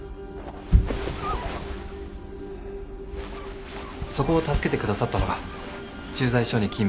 ・そこを助けてくださったのが駐在所に勤務する警官でした。